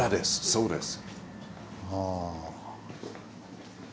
そうです。